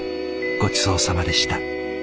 ごちそうさまでした。